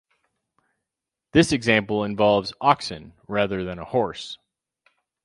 This example involves oxen rather than a horse.